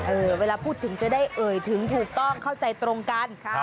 เวลาพูดถึงจะได้เอ่ยถึงถูกต้องเข้าใจตรงกัน